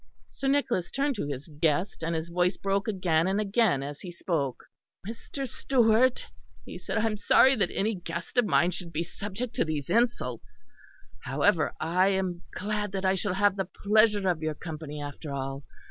Sir Nicholas turned to his guest; and his voice broke again and again as he spoke. "Mr. Stewart," he said, "I am sorry that any guest of mine should be subject to these insults. However, I am glad that I shall have the pleasure of your company after all.